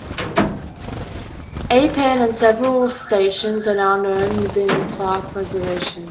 A. Paine, and several stations are now known within Clark Reservation.